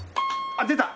あっ出た！